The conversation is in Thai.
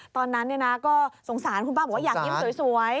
ตอนนั้นก็สงสารคุณป้าบอกว่าอยากยิ้มสวย